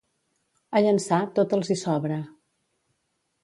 A Llançà, tot els hi sobra.